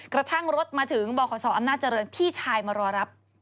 กระทั่งรถมาถึงบขอำนาจเจริญพี่ชายมารอรับ